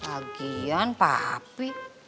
bagian pak apik